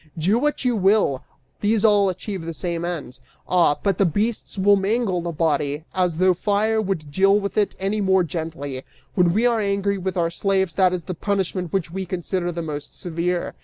Do what you will, these all achieve the same end. Ah, but the beasts will mangle the body! As though fire would deal with it any more gently; when we are angry with our slaves that is the punishment which we consider the most severe.